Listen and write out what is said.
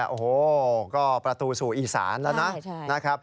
โอ้โหก็ประตูสู่อีสานแล้วนะครับ